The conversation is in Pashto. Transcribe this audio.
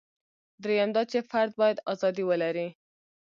درېیم دا چې فرد باید ازادي ولري.